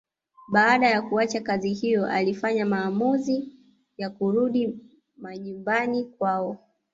Baada ya kuacha kazi hiyo walifanya maamuzi ya kurudi majumbani kwao